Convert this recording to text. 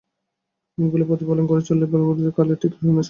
নিয়মগুলি প্রতিপালন করে চললে বালব্রহ্মচারীদের কালে ঠিক ঠিক সন্ন্যাস হবে।